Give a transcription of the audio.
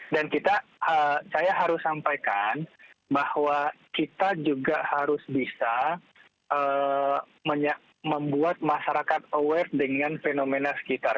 dan saya harus sampaikan bahwa kita juga harus bisa membuat masyarakat aware dengan fenomena sekitar